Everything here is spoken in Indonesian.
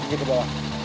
injek ke bawah